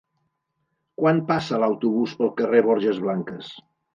Quan passa l'autobús pel carrer Borges Blanques?